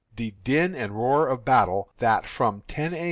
The din and roar of battle that, from ten A.